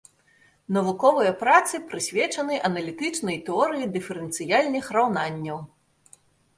Навуковыя працы прысвечаны аналітычнай тэорыі дыферэнцыяльных раўнанняў.